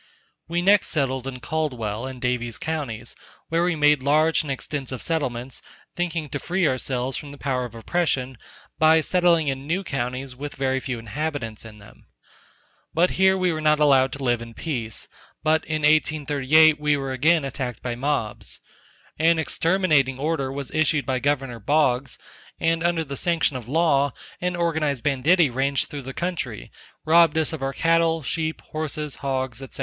We next settled in Caldwell, and Davies counties, where we made large and extensive settlements, thinking to free ourselves from the power of oppression, by settling in new counties with very few inhabitants in them; but here we were not allowed to live in peace, but in 1838 we were again attacked by mobs, an exterminating order was issued by Gov. Boggs, and under the sanction of law an organized banditti ranged through the country, robbed us of our cattle, sheep, horses, hogs, &c.